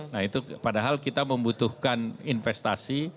nah itu padahal kita membutuhkan investasi